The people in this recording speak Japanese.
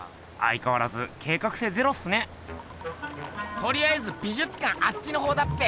とりあえず美術館あっちのほうだっぺ。